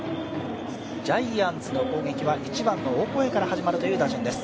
ジャイアンツの攻撃は１番のオコエから始まるという打順です。